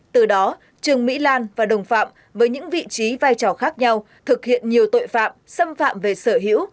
từ đó trương mỹ lan và đồng phạm với những vị trí vai trò khác nhau thực hiện nhiều tội phạm xâm phạm về sở hữu